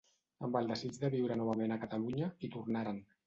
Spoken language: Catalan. Amb el desig de viure novament a Catalunya, hi tornaren.